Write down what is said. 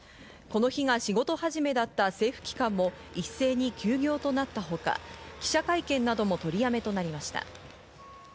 この日が仕事始めだった政府機関も一斉に休業となったほか、記者会見なども取り止めとなりました。